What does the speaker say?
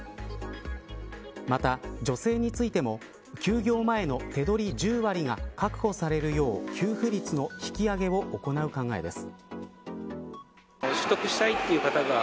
また、女性についても休業前の手取り１０割が確保されるよう給付率の引き上げを行う考えです。